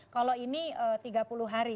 kalau ini tiga puluh hari